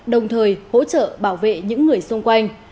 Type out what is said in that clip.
đồng thời hỗ trợ bảo vệ những người xung quanh